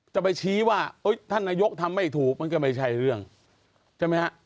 จะไปชี้ว่าท่านนายกทำไม่ถูกมันก็ไม่ใช่เรื่องใช่ไหมฮะ